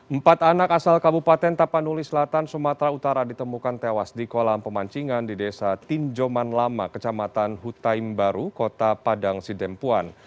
empat anak asal kabupaten tapanuli selatan sumatera utara ditemukan tewas di kolam pemancingan di desa tinjoman lama kecamatan hutaim baru kota padang sidempuan